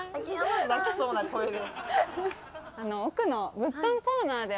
泣きそうな声で。